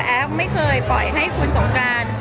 แอฟไม่เคยปล่อยให้คุณสงกราน